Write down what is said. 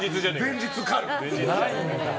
前日刈る！